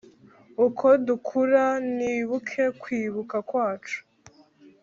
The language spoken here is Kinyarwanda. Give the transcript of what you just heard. uko dukura, nibuke kwibuka kwacu.